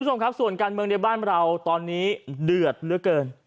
คุณผู้ชมครับส่วนการเมืองในบ้านเราตอนนี้เดือดเหลือเกิน